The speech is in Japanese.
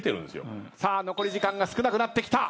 残り時間が少なくなってきた。